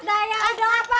eh daya udah apa